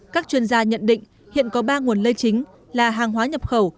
các chuyên gia nhận định hiện có ba nguồn lây chính là hàng hóa nhập khẩu